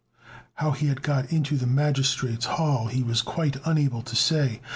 How he had got into the magistrate's hall he was quite unable to say.